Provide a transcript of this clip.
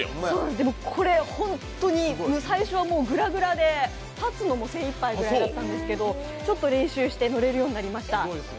でも、本当に最初はグラグラで立つのも精いっぱいな感じだったんですけど、ちょっと練習して乗れるようになりました。